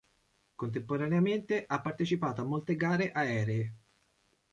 Contemporaneamente ha partecipato a molte gare aeree.